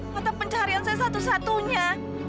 mata pencarian saya satu satunya